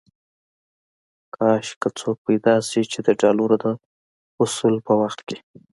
کاش کې څوک پيدا شي چې د ډالرو د حصول په وخت کې.